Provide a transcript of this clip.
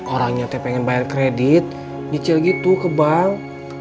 orangnya tapi pengen bayar kredit dicil gitu ke bank